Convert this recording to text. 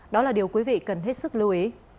đó là điều quý vị cần hết sức lưu ý